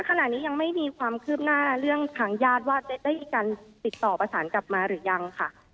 ขณะนี้ยังไม่มีความคืบหน้าเรื่องทางญาติว่าจะได้มีการติดต่อประสานกลับมาหรือยังค่ะ